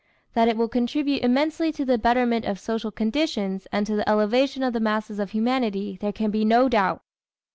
That it will contribute immensely to the betterment of social conditions and to the elevation of the masses of humanity, there can be no doubt.